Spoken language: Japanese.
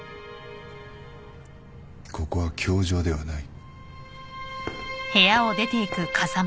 ここは教場ではない。